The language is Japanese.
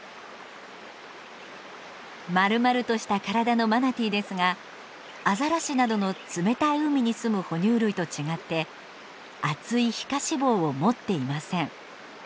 丸々とした体のマナティーですがアザラシなどの冷たい海に住む哺乳類と違って厚い皮下脂肪を持っていません。